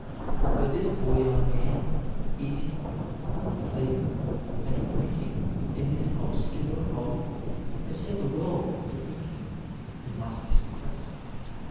But this poor young man, eating, sleeping, and printing in this "obscure hole," had set the world to thinking, and must be suppressed.